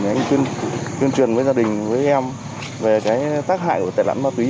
anh tuyên truyền với gia đình với em về tác hại của tài nạn ma túy